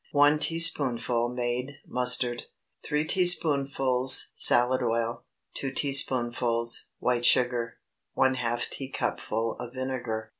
1 teaspoonful made mustard. 3 teaspoonfuls salad oil. 2 teaspoonfuls white sugar. ½ teacupful of vinegar.